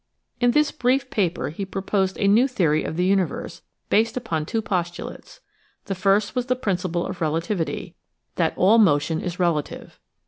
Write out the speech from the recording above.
In this brief paper he proposed a new theory of the universe based upon two postulates. The first was the principle of relativity; that all motion is relative.